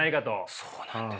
そうなんです。